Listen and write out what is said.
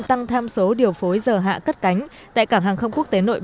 tăng tham số điều pháp